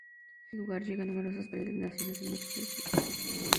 A este lugar llegan numerosas peregrinaciones de muchos países del mundo.